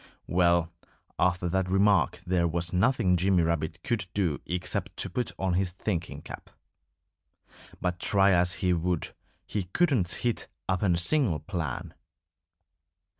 Well, after that remark there was nothing Jimmy Rabbit could do except to put on his thinking cap. But try as he would, he couldn't hit upon a single plan.